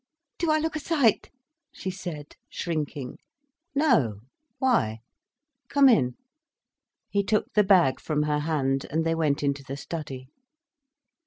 "Do I look a sight?" she said, shrinking. "No—why? Come in," he took the bag from her hand and they went into the study.